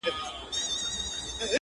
قاسم یار که ستا په سونډو مستانه سوم,